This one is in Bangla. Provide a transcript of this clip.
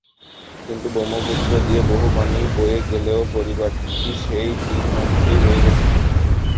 কিন্তু ব্রহ্মপুত্র দিয়ে বহু পানি বয়ে গেলেও পরিবারটি সেই ডি-ক্যাম্পেই রয়ে গেছে।